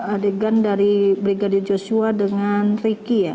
adegan dari brigadir joshua dengan ricky ya